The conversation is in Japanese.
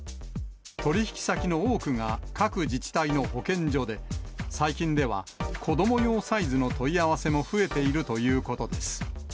取り引き先の多くが各自治体の保健所で、最近では、子ども用サイズの問い合わせも増えているということです。